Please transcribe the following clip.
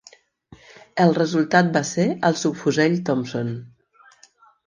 El resultat va ser el Subfusell Thompson.